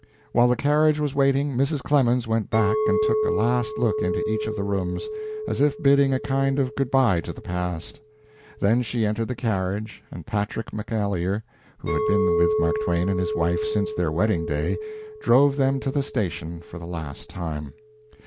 While the carriage was waiting, Mrs. Clemens went back and took a last look into each of the rooms, as if bidding a kind of good by to the past. Then she entered the carriage, and Patrick McAleer, who had been with Mark Twain and his wife since their wedding day, drove them to the station for the last time.